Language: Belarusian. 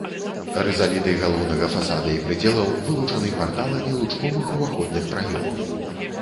Рызаліты галоўнага фасада і прыдзелаў вылучаны парталамі лучковых уваходных праёмаў.